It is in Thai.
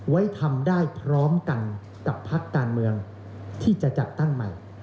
ไว้ทำได้พร้อมกันกับพักการเมืองที่จะจัดตั้งใหม่